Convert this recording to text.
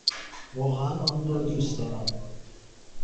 واقعا آن را دوست دارم!